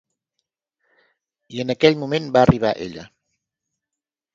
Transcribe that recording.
I en aquell moment va arribar ella.